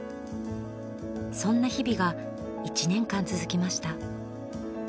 そんな日々が１年間続きました。